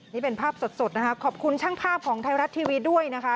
นี่เป็นภาพสดนะคะขอบคุณช่างภาพของไทยรัฐทีวีด้วยนะคะ